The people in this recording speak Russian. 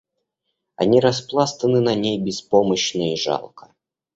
Они распластаны на ней беспомощно и жалко.